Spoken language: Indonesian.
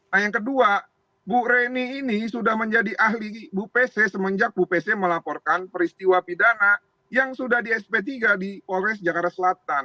nah yang kedua bu reni ini sudah menjadi ahli bu pc semenjak bu pc melaporkan peristiwa pidana yang sudah di sp tiga di polres jakarta selatan